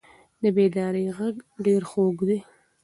د بیدارۍ غږ ډېر خوږ دی.